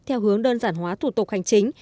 theo hướng đơn giản hóa thủ tục hành chính